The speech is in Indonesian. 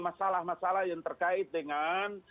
masalah masalah yang terkait dengan